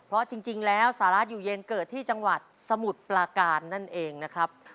เพราะจริงแล้วสาระอยู่เย็นเกิดที่จังหวัดสมุทรปลาการนั่นเองนะครับ